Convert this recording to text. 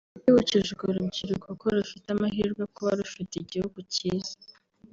yibukije urwo rubyiruko ko rufite amahirwe kuba rufite igihugu cyiza